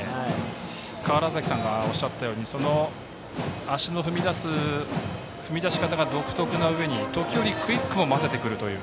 川原崎さんがおっしゃったように足の踏み出し方が独特なうえに時折クイックも交ぜてくる。